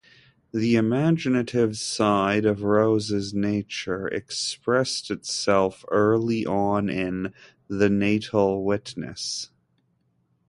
The imaginative side of Rose's nature expressed itself early on in "The Natal Witness".